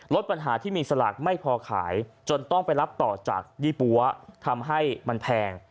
ลดปัญหาที่มีสลากไม่พอขายจนต้องไปรับต่อจากยี่ปั๊วทำให้มันแพง